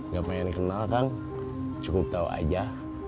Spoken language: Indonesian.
gak pengen dikenalkan cukup tahu aja